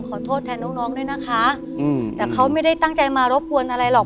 ขอโทษแทนน้องน้องด้วยนะคะแต่เขาไม่ได้ตั้งใจมารบกวนอะไรหรอก